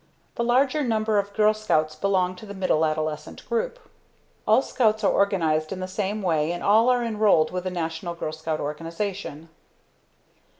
The larger number of Girl Scouts belong to the middle adolescent group. All Scouts are organized in the same way and all are enrolled with the National Girl Scout organization.